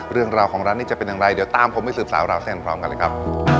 เรื่องราวของร้านนี้จะเป็นอย่างไรเดี๋ยวตามผมไปสืบสาวราวเส้นพร้อมกันเลยครับ